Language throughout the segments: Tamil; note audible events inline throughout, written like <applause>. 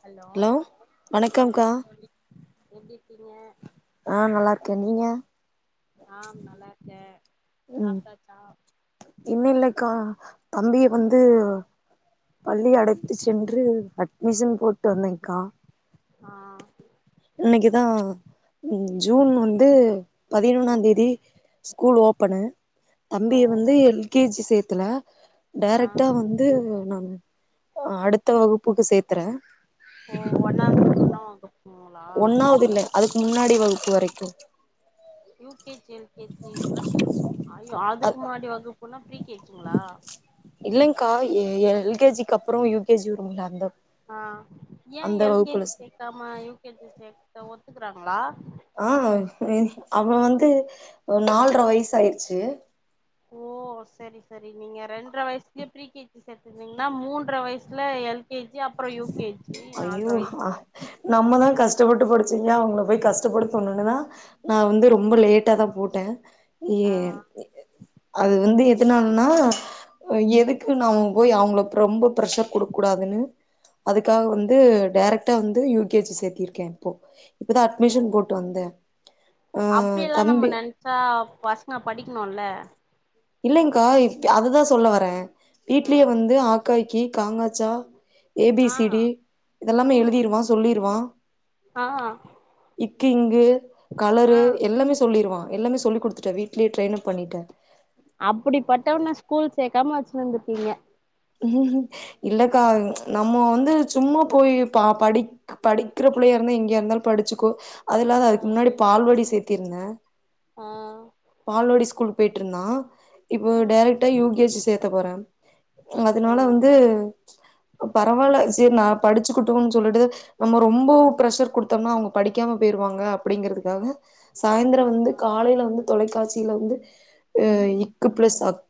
ஹலோ வணக்கம்க்கா வணக்கம் தோழி எப்டி இருக்கீங்க ஆ நல்லா இருக்கேன் நீங்க ஆம் நல்லா இருக்கே சாப்ட்டாச்சா இன்னும இல்லைக்கா தம்பிய வந்து பள்ளி ம் அடை த்து சென்று அட்மிஷன் போட்டு வந்தேக்கா ஆ இன்னிக்குதா ஜூன் வந்து ம் பதினொன்னாந்தேதி ஸ்கூல் ஓப்பனு ஓ தம்பிய வந்து எல் கே ஜி சேத்துல ஆ டைரக்ட்டா வந்து அடுத்த வகுப்புக்கு சேர்த்தறே ஓ ஒன்னாது ஒன்னா வகுப்பு ஒன்னாவது இல்ல அதுக்கு முன்னாடி வகுப்பு வரைக்கு U K G L K G ஐயோ அ அதுக்கு முன்னாடி வகுப்பு போனா ப்ரீ கே ஜிங்களா இல்லிங்கா எ எ எல் கே ஜிக்கு அப்புறோ யு கே ஜி வரும்ங்கள அந்த இது ஆ ஏன் எல் கே ஜி சேக்காம யூ கே ஜி சேக்க ஒத்துக்கறாங்களா ஆ ம் அவ வந்து நாலர வயசு ஆயிருச்சு ஓ செரி செரி நீங்க ரெண்டர வயசுலயே ப்ரீ கே ஜி சேத்துந்தீங்கன்னா மூன் ர வயசுல எல் கே ஜி அப் அய்யோ <unintelligible> நம்மதா கஷ்டப்பட்டு படுச்சீங்க ஏ அவங்கள போய் கஷ்டப்படுத்தணுனுதா நா வந்து ரொம்ப லே ட்டாதா போட்டே ஏ ஆ அது வந்து எதனாலன்னா ம் எதுக்கு நாம போய் அவங்கள ரொம்ப ப்ரஷர் குடுக்க கூடாதுன்னு அதுக்காக வந்து டைரெக்ட்டா வந்து யு கே ஜி சேத்திருக்கே இப்போ இப்பதா ஓ அட்மிஷன் போட்டு ஓ வந்தே ஆ அப்டியெல்லா தம்பி <unintelligible> பசங்க படிக்கணுல்ல இல்லைங்க்கா இப் அததா சொல்ல வரே ஆ வீட்லயே வந்து ஆகாகி கீ காங் காச்சா ஏ பி ஆ சி டி இதெல்லாமே ம் எழுதிருவா சொல்லிருவா ஆ இக்கு, இங்கு, ஆ கலரு எல்லாமே சொல்லிருவா எல்லாமே சொல்லி குடுத்துட்டே வீட்லயே ட்ரய்னப் பண்ணிடே அப்புடிப்பட்டவன ஸ்கூல் சேக்காம வச்சுனுந்திகீங்க இல்லக்கா நம்ம வந்து சும்மா போய் பா படி படிக்கிற புள்ளையாருந்தா எங்கயா இருந்தாலு படிச்சுக்கு அது இல்லாது அதுக்கு முன்னாடி பால்வாடி சேத்திருந்த ஆ ஆ பால்வாடி ஸ்கூல் பெயிட் ட்ருந்தா இப்ப டெரக்டா யூ கே ஜி சேத்த போறே ஓ அதனால வந்து பரவால்ல சேரி நா படிச்சிக்குட்டுன்னு சொல்லிட்டு நம்ம ரொம்போ பிரஷர் குடுத்தம்னா அவுங்க படிக்காம பெயிருவாங்க அப்டிங்கறதுக்காவ சாய்ந்தரோ வந்து ஆ காலையில வந்து தொலைக்காட்சியில வந்து அ இக்கு பிளஸ் அக்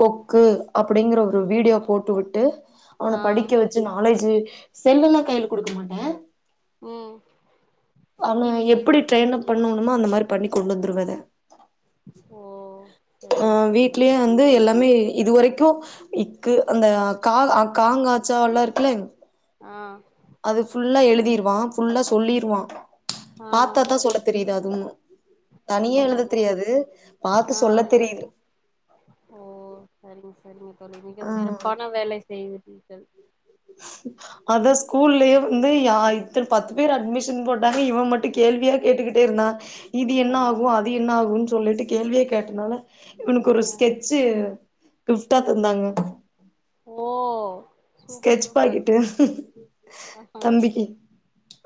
கொக்கு அப்டிங்கற ஒரு ம் வீடியோ போட்டு விட்டு அவன ஆ படிக்க வச் சி நாலேஜு செல்லெலா கைல குடுக்க மாட்டே ம் அவன டி வி லே எப்புடி ட்ரெயின்அப் பண்ணணுமோ அந்த மாரி பண்ணி கொண்டு வந்துருவ அத ஓ ஆ சரிங்க சரிங்க வீட்லயே தோழி வந்து எல்லாமே இதுவரைக்கு இக்கு அந்த கா காஙாசா வெல்லா இருக்குல ஆ அது ஃபுல்லா எழுதிருவா ஃபுல்லா சொல்லிருவா ஆ பார்த்தா தா சொல்ல தெரியுது அதும்மு ஓ தனியா எழுத தெரியாது ஆ பார்த்து சொல்ல ஆ தெரியுது ஓ சரிங்க சரிங்க தோழி மிக சிறப்பான வேலை செய்கிறீர்கள் <inaudible> அத ஸ்கூல்லயே வந்து யா இத்த பத்து பேர் அட்மிஷன் போட்டாங்க இவ மட்டு கேள்வியா கேட்டுக்கிட்டே இருந்தா இது என்ன ஆ ஆகு அது என்ன ஆகுன் சொல்லிட்டு கேள்வியே கேட்டனால இவனுக்கு ஒரு ஆ ஸ்கெட்சு கிப்ட்டா தந்தாங்க ஓ சூப்பர் ஸ்கெட்ச் சூப்பர் பாக்கிட்டு ஆ தம்பிக்கு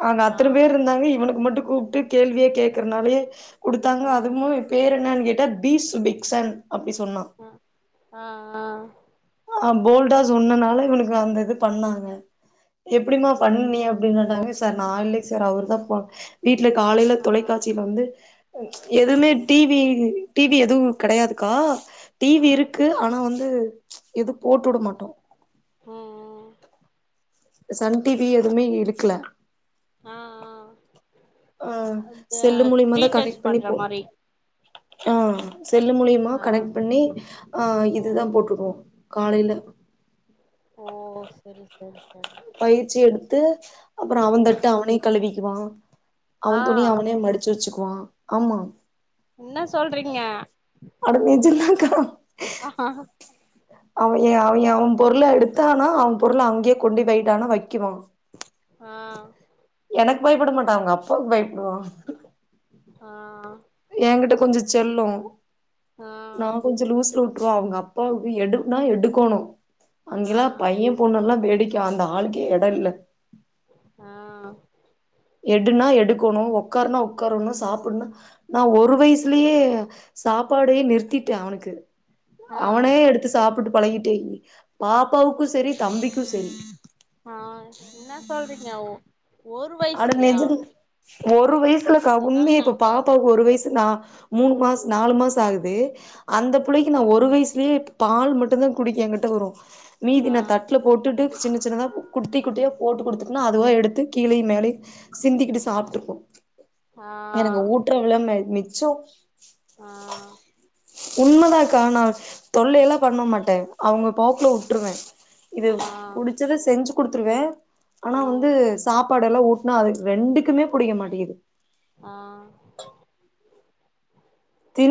ஆனா அத்தன ஆ பேர்ருந்தாங்க இவனுக்கு மட்டு கூப்ட்டு கேள்வியே கேக்கறனாலேயே குடுத்தாங்க ஆ அதுவு பேர் என்னன் கேட்டா பீ சுபித் சன் அப்படி சொன்னா அ ஆ ஆ அ போல்டா சொன்னனால இவனுக்கு அந்த இது பண்ணாங்க எப்படிமா பண்ணியா அப்டின் கேட்டாங்க சார் நா இல்ல சார் அவுர் தா போ வீட்டுல காலைல ஆ தொலைக்காட்சி யில வந்து ம் எதும்மே டிவி டிவி எதுவு கடையாதுக்கா ஆ டிவி இருக்கு ஆனா வந்து எது போட்டு உட மாட்டோ ம் ம் சன் டிவி எதுவுமே எடுக்கல ஆ ஆ அ அந்த செல்லு மூலியமாதா ரீசார்ஜ் கனெக்ட் பண்ணி பண்ற போ மாரி ஆ செல்லு மூலியமா ஆ கனெக்ட் பண்ணி அ ம் இதுதா போட்டுருகுவோ காலைல ஓ சரி சரி சரி பயிற்சி எடுத்து அப்புறோ அவ ம் தட்டு அவனே கழுவிக்குவா அவ ஆ துணி அவனே மடு ச்சு வெச்சுக்குவா ஆமா இன்ன சொல்றீங்க அட நிஜந்தாக்கா ஆ ஹா அவ ஏ அவயே அவ பொருள எடுத்தானா அவ பொருள அங்கேயே கொண்டு போய்டானா வைக்குவா ஆ எனக் பயப்பட மாட்டா அவுங்க அப்பாவுக் பயப்படுவா ஆ ஏங்கிட்ட கொஞ்சோ செல்லோ ஆ நா கொஞ்சோ லூஸ்ல உட் ருவ அவுங்க அப்பாவுக்கு எடுக்னா எடுக்கோணோ ஆ அங்கெல்லா பைய பொண்ணு எல்லா வேடிக்க அந்த ஆளுக்கே எட இல்ல ஆ எடுனா எடுக்கோனு ஒக்கார்னா உடக்கார்னு சாப்புட்னா நா ஒரு வயசுலேயே சாப்பாடே நிறுத்திட்டே அவனுக்கு ஆ அவனே எடுத்து சாப்புட்டு பழகிட்டே பாப்பாவுக்கு செரி தம்பிக்கு செரி ஆ இன்ன சொல்றீங்க ஒரு அட வயசுலயா நெஜன் ஒரு வயசுல என்னால சாப்புன்னே இப்ப நம்பவே பாப்பாவுக்கு ஒரு முடியல வயசுதா மூனு மாஸ் நாலு மாச ஆகுது அந்த ஆ புள்ளைக்கு நா ஒரு வைஸ் கே பால் மட்டுதா குடிக்க என்கிட்ட வரு மீதி ஆ நா தட்ல போட்டுட்டு சின்ன சின்னதா குடுத்தி குட்டியா போட்டு குடுத்துட்டனா அதுவா எடுத்து கீழேயு மேழையு சிந்திக்கிட்டு சாப்ட்டுக்கு ஆ எனக்கு ஊட்டுற வெள மிச்சோ ஆ உண்மதாகா நா தொல்லையெல்லா பண்ண மாட்டே அவுங்க போக்குல உட்ருவே இது ஆ புடிச்சத செஞ்சி குடுத்துருவே ஆனா வந்து ம் சாப்பாடு எல்லா ஊட்னா அ ரெண்டுக்குமே புடிக்க மாட்டிகிது ஆ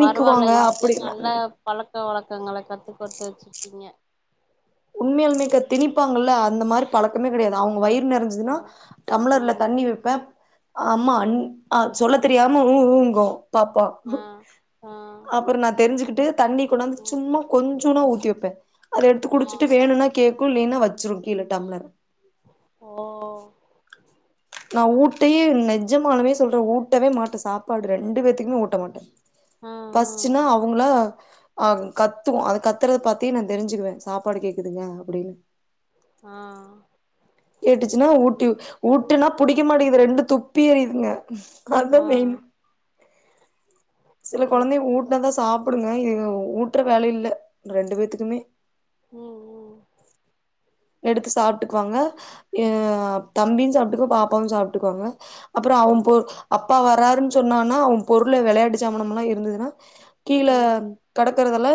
பரவால இப்பே அப்டி நல்லா பழக்க வழக்கங்கள கத்து கொட்த்து வெச்சிர்க்கீங்க உண்மையாலுமேகா திணிப்பாங்கள்ள அந்த மாரி பழக்கமே கெடையாது அவுங்க வயிறு ஆ நெரஞ்சுதுன்னா டம்ப்ளர்ல ம் தண்ணி வெப்பே அம்மா அண் ம் அ சொல்ல தெரியாம உ ஊங்கோ பாப்பா ஆ ஆ அப்புறோ நா தெரிஞ்சுக்கிட்டு தண்ணி கொண்டாந்து ம் சும்மா கொஞ் சுனா ஊத்தி வெப்பே அத எடுத்து ஆ குடிச்சுட்டு வேணுனா கேக்கு இல்லைன்னா வச்சிரு கீழ டம்ளர ஓ நா ஊட்டையே நெஜமாலுமே சொல்றே ஊட்டவே மாட்டே சாப்பாடு ரெண்டு பேத்துக்குமே ஊட்ட மாட்டே ஆ பசிச்சின்னா அவுங்களா அதுங் கத்துவா அது கத்துறத பாத்தே நா தெரிஞ்சுக்குவே சாப்பாடு கேக்குதுங்க அப்படினு ஆ கேட்டுச்சின்னா ஊட்டி ஊட்டுனா புடிக்க மாட்டிகிது ரெண்டு துப்பி எரியுதுங்க ஆ அதுதா ஆ மெயின் சில ஐயோ கொழந்தை ஊட்னாதா சாப் புடுங்க இது ஊட்டுற வேல இல்ல ரெண்டு பேத்துக்குமே ம் ம் எடுத்து சாப்பிட்டுக்குவாங்க அ ம் தம்பியு சாப்ட்டுக்குவு பாப்பாவு சாப்ட்டுக்குவாங்க அப்புறோ அவன் ம் பொ அப்பா வராருன் சொன்னான்னா அவன் பொருள வெளையாட்டு சாமணமல்லா இருந்ததுனா கீழ ஆ ம் கடக்கறதெல்லா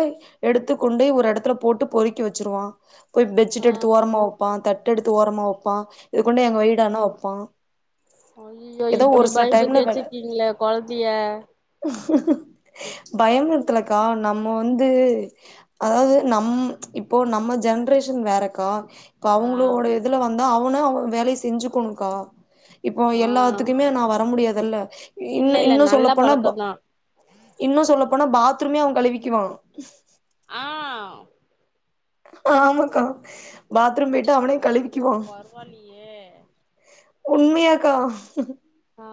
எடுத்து கொண்டு ஒரு எடத்துல போட்டு பொறுக்கி வெச்சிருவா போய் பெச்சீட்ட் எடுத்து ஆ ஓரமா வொப்பா தட்டெடுத்து ஓரமா வொப்பா இது கொண்டோய் அங்க வெய்டானா வொ அய்யிய்யோ இப்படி ஒரு சில பயம்புற்த்தி டைம்ல வெச்சிருக்கீங்ளே கொழந்திய பயங்கிர்த்தில்லக்கா நம்ம வந்து அதாவ்து நம் இப்போ நம்ம ஜென்ரேஷன் வேறக்கா இப்ப ஆ அவங்களோட இதுல வந்து அவுனே அவ வேலைய செஞ்சிக்குனோங்கா இப்போ ஆ எல்லாத்துக்குமே நா வர முடியாதல்ல இல்ல இன்னு இல்ல இன்னு நல்ல சொல்லப்போனா ப பழக்கந்தா இன்னு சொல்ல போனா பாத்ரூமே அவ கழுவிக்குவா ஆ ஆமாக்கா பாத்ரூம் போய்ட்டு அவனே கழுவிக்குவா இ யே உண்மியாக்கா ஆ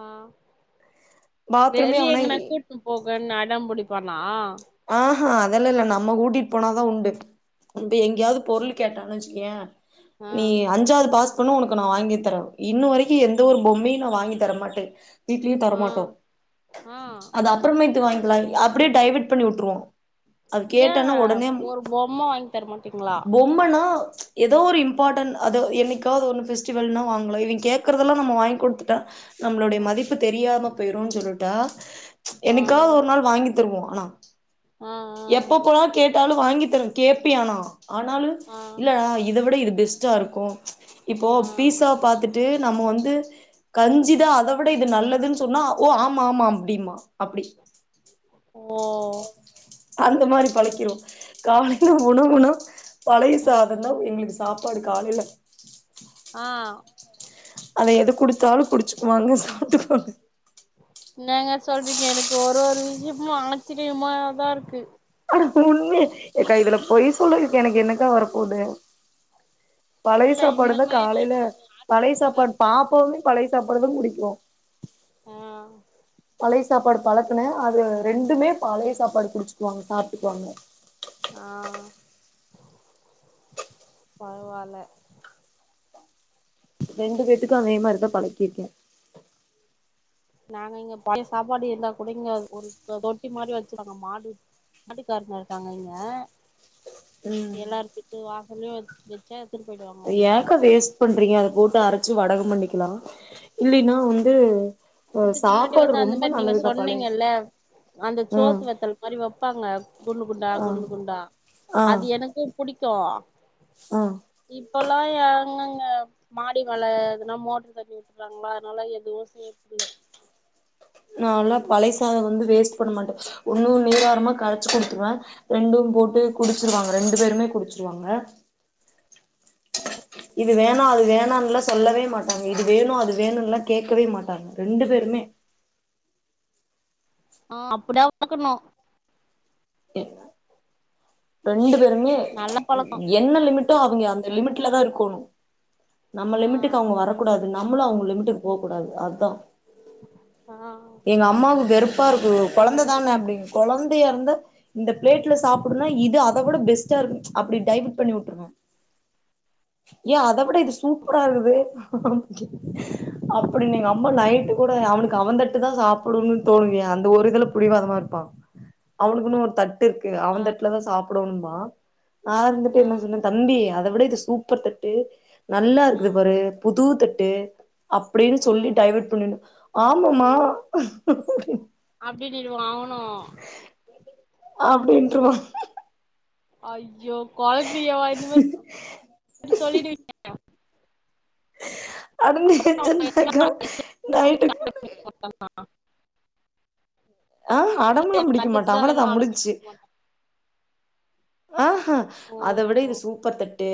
பாத்ரூமே வெளிய அவனே எங்கனா கூட்னு போகன் அடம்புடிப்பானா ஆஹா அதெல்லா இல்ல நம்ம கூட்டிட் போனாதா உண்டு இப்ப எங்கேயாவ்து பொருள் கேட்டானு வச்சுக்கியே ஆ நீ அஞ்சாவ்து பாஸ் பண்ணு உனக்கு நா வாங்கி தரே இன்ன வரைக்கு எந்த ஒரு பொம்மையு நா வாங்கி தரமாட்டே வீட்லியு ஆ தரமாட்டோ ஆ அது அப்புறமேட்டு வாய்ங்கலா அப்படியே டைவட் பண்ணி உட்டுருவோ அது ஏ கேட்டானா உடனே ஒரு பொம்ம வாங்கி தர மாட்டீங்களா பொம்மனா எதோ ஒரு இம்பாடன் அதோ என்னைக்காவ்து ஒன்னு ஃபெஸ்டிவல்னா வாங்கலா இவே கேக்குறதெல்லா நம் வாய்ங் குடுத்துட்டா நம்மளுடைய ஆ மதிப்பு தெரியாம போயிருன் சொல்லிட்டா ஆ எனக்காவ்து ஒரு நாள் வாங்கி தருவோ ஆனா ஆ எப்போ போலான் கேட்டாலு வாங்கி தர கேப்பியா ஆனா ஆனாலு ஆ ஆ இல்லடா இத விட இது பெஸ் டா இருக்கு இப்போ ஆ பீஸாவ பாத்துட்டு நம்ம வந்து கஞ்சிதா அத விட இது நல்லதுன் சொன்னா ஓ ஆமாம்மா அப்டின்பா அப்டி ஓ அந்த மாரி பழக்கிறுவோ காலைல உணவுனா பழைய ம் சாதந்தா எங்களுக்கு சாப்பாடு காலைல ஆ அத எது குடுத்தாலு குடிச்சுக்குவாங்க சாப்ட்டுக்குவாங்க இன்னங்க சொல்றீங்க எனக்கு ஒரு ஒரு விஷ்யமு ஆச்சிரியமாதா இருக்கு ஆனா உண்மை எக்கா இதுல பொய் சொல்றதுக்கு எனக்கு என்னக்கா வரப்போது பழைய இல்ல சாப்பாடு இந்த இருந்தா மாரி காலைல நானு பழைய ஆச்சரியமாதா சாப்பாடு இருக்கு எனக்கு பாப்பாவுமே பழைய சாப்பாடு தா குடிக்கு ஆ பழைய சாப்பாடு பழக்குனே அதுல ரெண்டுமே பழைய சாப்பாடு குடிச்சுக்குவாங்க சாப்ட்டுக்குவாங்க ஆ பரவால்ல ரெண்டு பேத்துக்கு அதே மாரிதா பழக்கிருக்கே நாங்க இங்க பழைய சாப்பாடு இருந்தா கூட இங்க ஒரு க தொட்டி மாரி வெச்சிருகாங்க மாடு மாட்டுக்காருங்க இருக்காங்க இங்க ம் எல்லாரு வீடு வாசல்லயு வச் வெச்சா எடுத்துட்டு போயி்டுவாங்க வந்து க்கா வேஸ்ட் பண்றீங்க அத போட்டு அரைச்சு வடகம் பண்ணிக்கலா இல்லைனா வந்து அ இதுக்கு முன்னாடி சாப்பாடு வந்து அந்த ரொம்ப மாரி நீங்க நல்லதுக்கா பழைய சொன்னீங்கல்ல அந்த ம் சோத்து வத்தல் மாரி வெப்பாங்க குன்னு குண்டா ஆ குன்னு குண்டா ஆ அது எனக்கு புடிக்கு ஆ இப்பலா யாருங்கங்க மாடி மேல எதுன்னா மோட்ரு தண்ணி வுட்றாங்களா அதனால எதுவு செய்யறது இல்ல நால்லா பழையசாத வந்து வேஸ்ட் பண்ண மாட்டே ஒன்னு நீராரமா கரைச்சு குடுத்துருவே ரெண்டும் போட்டு ம் குடிச்சிருவாங்க ரெண்டு பேருமே குடிச்சிருவாங்க இது வேணா அது வேணான்லா சொல்லவே மாட்டாங்க இது வேணு அது வேணுன்லா கேக்கவே மாட்டாங்க ரெண்டு பேருமே ஆ அப்டிதா வளக்கணு எ ரெண்டு பேருமே நல்ல பழக்கோ என்ன லிமிட் ட்டு அவ்ங்க அந்த லிமிட்ல தா இருக்கோணு நம்ம ஆ லிமிட்டுக்கு அவ்ங்க வர கூடாது நம்மளு அவ்ங்க லிமிட்டுக்கு போகக் கூடாது அதா ஆ எங்க அம்மாவுக் வெறுப்பா இருக்கு கொழந்த தான அப்டின்ங்கு கொழந்தையா இருந்தா இந்த பிளேட்ல சாப்புடுனா இது அத விட பெஸ்டா இருக்கு அப்டி டைவர்ட் பண்ணி உட்டுர்ணு ஏ அத விட இது சூப்பரா இருக்குது அப்டின்னு எங்க அம்மா நைட்டு கூட அவனுக்கு அவந்தட்டு தா ‌சாப் புடணு தோன்லையா அந்த ஒரு இதுல புடிவாதமா இருப்பா அவனுக்குன்னு ஒரு டு இருக்கு அவந்தட்ல தா சாப்புடுவன்பா நா வந்துட்டு ஆ என்ன சொன்ன தம்பி அத விட இது சூப்பர் தட்டு நல்லா ஆ இருக்குது பாரு புது தட்டு அப்டின்னு ஆ சொல்லி டைவர்ட் பண்ணிட்னு ஆமமா அப்டின்டிருவா அவனு அப்டின்ருவா ஐயோ கொழந்தையவா இந்தமாரி சொல்லிடுவீங்க அதுங்களு எஞ்சின்ட்ருக்கா நைட்டுக்கு ஒன்னு இல்லயே ஆமா ஆ இல்ல அடமெல்லா எனக்கு பிடிக்க அடுத்தது மாட்டா தா அவ்வளதா வேணுன் அடம்பி முடிஞ்ச்சு ஆஹா ஓ அத விட இது சூப்பர் தட்டு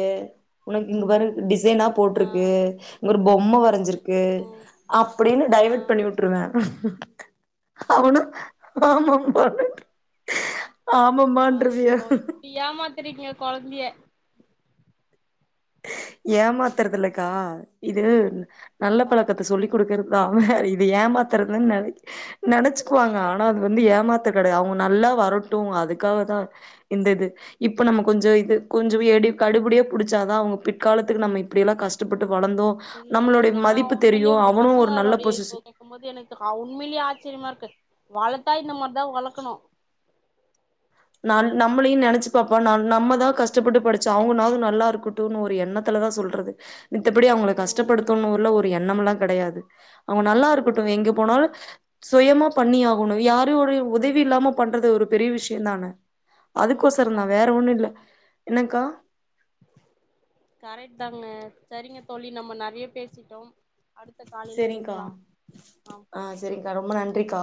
உனக்கு இங்க பாரு டிசைனா ஆ போட்ருக்கு ஒரு பொம்ம வரஞ்சிருக் கு ஓ அப்டின்டு ஆ டைவேர்ட் பண்ணி விட்ருவே அவனு ஆமாம்மானுன் ஆமம்மான்றுவியா ஏமாத்ருக்கீய கொழந்தய ஏமாத்றதுல்லக்கா இது நல்ல பழக்கத்த சொல்லி் குடுக்குறதுதா அவ இது ஏமாத்துறதுன்னு நென நெனச்சுக்குவாங்க ஆனா அது வந்து ஏமாத்து கெடயாது அவங்க நல்லா வரட்டு அதுக்காகதா இந்த இது இப்ப நம்ம கொஞ்ஜோ இது கொஞ்ஜோ எடி கடுபடியா புடிச்சா தா அவங்க பிற்காலத்துக்கு நம்ம இப்டியெல்லா கஷ்டப்பட்டு வளந்தோ இல்ல இல்ல நீங்க நம்மளோடய ஆனா மதிப்பு தெரியு அவனு ஒரு நல்ல பொசிஷ் இருக்கும் போது எனக்கு அவ் உண்மையிலே ஆச்சரியமா இருக்கு வளத்தா இந்த மாரி தா வளக்கணு நல் நம்மளையு நெனச்சி பாப்பா நல் நம்மதா கஷ்டப்பட்டு படிச்சோ அவங்கனாவது நல்லா இருக்கட் டுன்னு ஒரு எண்ணத்துலதா சொல்றது மித்தபடி அவங்கள ம் கஷ்டப்படுத்தனுல்ல ஒரு எண்ணம் எல்லா கெடையாது அவங்க நல்லா ம் இருக்கட்டு எங்க போனாலு சுயமா பண்ணி ஆகணு யாரோடய உதவி இல்லாம பண்றது ஒரு பெரிய விஷ்யந்தான ம் அதுக்கோசரந்தா வேற கரெக்ட் ஒன்னு இல்ல என்னக்கா கரெக்ட் தாங்க சரிங்க தோழி நம்ம நறையா பேசிட்டோம் அடுத்த காலில் பேசலாம் ஆம் செரிக்கா ரொம்ப நன்றிக்கா